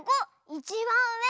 いちばんうえ。